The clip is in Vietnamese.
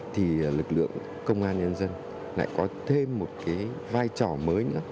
thì lực lượng công an nhân dân lại có thêm một cái vai trò mới nữa